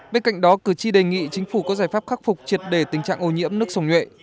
bên cạnh đó cử tri đề nghị chính phủ có giải pháp khắc phục triệt đề tình trạng ô nhiễm nước sổng nhuệ